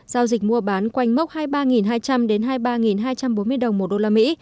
giao dịch mua bán quanh mốc hai mươi ba hai trăm linh đến hai mươi ba hai trăm bốn mươi đồng một đô la mỹ